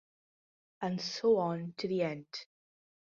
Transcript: And so on to the end.